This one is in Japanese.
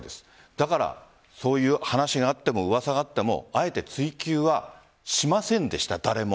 だから、そういう話があってもうわさがあってもあえて追求はしませんでした誰も。